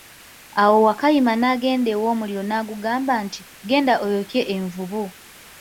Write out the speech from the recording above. Awo Wakayima n'agenda ew' omuliro n'agugamba nti, genda oyokye envubu.